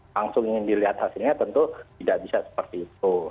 langsung ingin dilihat hasilnya tentu tidak bisa seperti itu